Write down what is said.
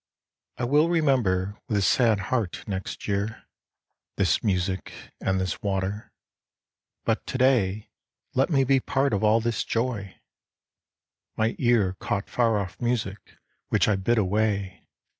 I will remember with sad heart next year 65 66 MUSIC ON WATER This music and this water, but to day Let me be part of all this joy. My ear Caught far off music which I bid away.